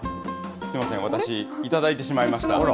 すみません、私、頂いてしまいました。